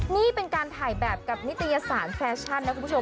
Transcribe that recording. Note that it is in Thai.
นี่เป็นการถ่ายแบบกับนิตยสารแฟชั่นนะคุณผู้ชม